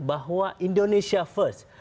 bahwa indonesia first